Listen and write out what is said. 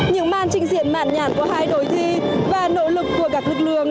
những màn trình diện mạn nhản của hai đối thi và nỗ lực của các lực lượng